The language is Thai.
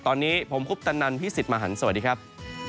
ตอนนี้ผมคุปตะนันพี่สิทธิ์มหันฯสวัสดีครับ